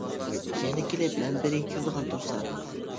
يەنە كېلىپ مەن بىرگە كىرىدىغان تۇرسام!